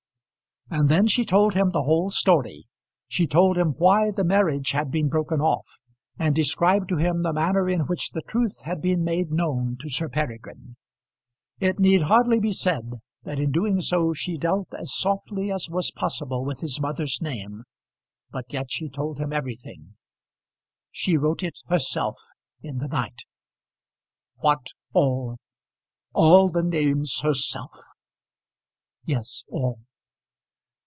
And then she told him the whole story. She told him why the marriage had been broken off, and described to him the manner in which the truth had been made known to Sir Peregrine. It need hardly be said, that in doing so, she dealt as softly as was possible with his mother's name; but yet she told him everything. "She wrote it herself, in the night." "What all; all the names herself?" "Yes, all."